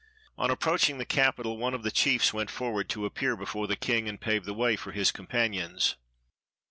On approaching the capital, one of the chiefs went forward to appear before the king, and pave the way for his companions.